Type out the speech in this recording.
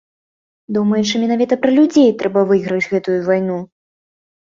Думаючы менавіта пра людзей, трэба выйграць гэтую вайну!